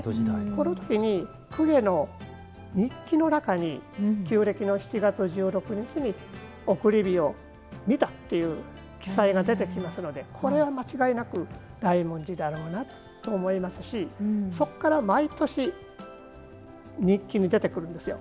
この時に公家の日記の中に旧暦の７月１６日に送り火を見たという記載が出てきますのでこれは間違いなく大文字だろうなと思いますしそこから毎年日記に出てくるんですよ。